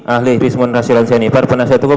ahli rismon hasyolensyani par penasihat hukum